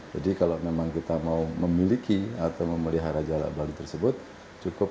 jadi kalau memang kita mau memiliki atau memelihara jelak bali tersebut cukup